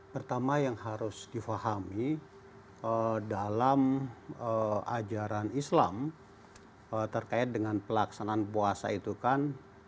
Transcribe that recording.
pertama yang harus difahami dalam ajaran islam terkait dengan pelaksanaan puasa itu kan